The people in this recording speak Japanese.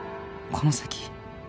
「この先」